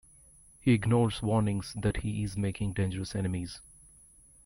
He ignores warnings that he is making dangerous enemies.